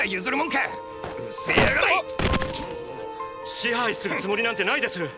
支配するつもりなんてないです！